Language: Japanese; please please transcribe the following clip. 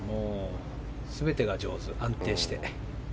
全てが上手、安定して。